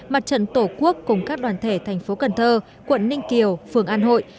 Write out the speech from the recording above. mặt trận tổ quốc cùng các đoàn thể thành phố cần thơ quận ninh kiều phường an hội